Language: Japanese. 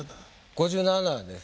５７です。